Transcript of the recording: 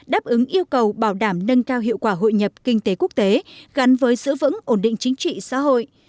đáp ứng yêu cầu bảo đảm nâng cao hiệu quả hội nhập kinh tế quốc tế gắn với giữ vững ổn định chính trị xã hội